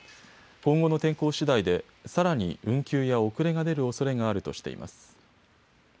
今後の天候しだいで、さらに運休や遅れが出るおそれがあるとしています。